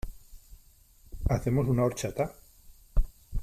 ¿Hacemos una horchata?